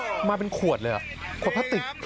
ทิ้งทุกอย่างขยาในมือท่านลงถังเถอะครับจำได้ไหมข้อความนี้